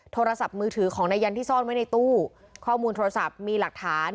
โทรศัพท์มือถือของนายยันที่ซ่อนไว้ในตู้ข้อมูลโทรศัพท์มีหลักฐาน